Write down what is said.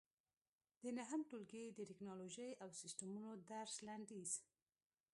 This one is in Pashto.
د نهم ټولګي د ټېکنالوجۍ او سیسټمونو درس لنډیز